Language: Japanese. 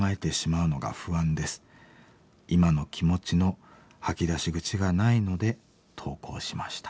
今の気持ちの吐き出し口がないので投稿しました」。